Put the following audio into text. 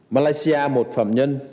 malaysia một phạm nhân